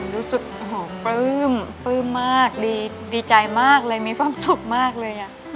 รู้สึกปลื้มปลื้มมากดีใจมากเลยมีความสุขมากเลย